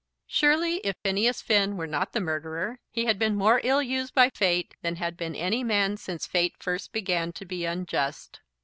Surely, if Phineas Finn were not the murderer, he had been more ill used by Fate than had been any man since Fate first began to be unjust.